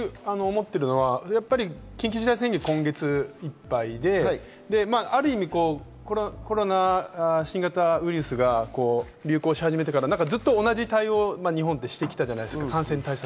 緊急事態宣言、今月いっぱいで、新型ウイルスが流行し始めてからずっと同じ対応を日本ってしてきたじゃないですか。